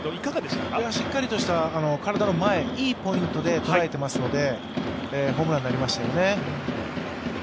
しっかりとした体の前、いいポイントでとらえてますのでホームランになりましたよね。